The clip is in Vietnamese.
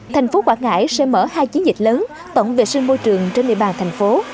thành phố quảng ngãi sẽ mở hai chiến dịch lớn tổng vệ sinh môi trường trên địa bàn thành phố